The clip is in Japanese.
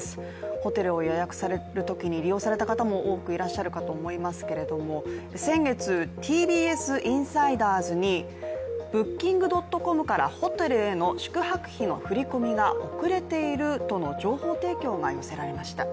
ホテルを予約されるときに利用された方も多くいると思いますけど先月、ＴＢＳインサイダーズにＢｏｏｋｉｎｇ．ｃｏｍからホテルへの宿泊費の振り込みが遅れているとの情報提供が寄せられました。